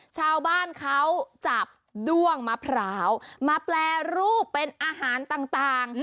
ชาวบ้านเขาจับด้วงมะพร้าวมาแปรรูปเป็นอาหารต่าง